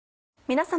皆様。